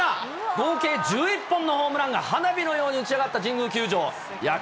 合計１１本のホームランが花火のように打ち上がった神宮球場。